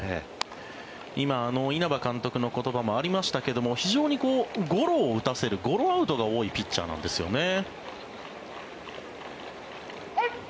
今稲葉監督の言葉もありましたが非常にゴロを打たせるゴロアウトが多いピッチャーなんですよね。